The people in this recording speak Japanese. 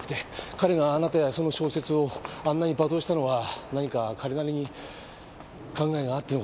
彼があなたやその小説をあんなに罵倒したのは何か彼なりに考えがあっての事だと。